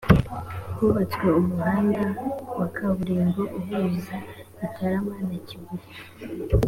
hubatswe umuhanda wa kaburimbo uhuza gitarama na kibuye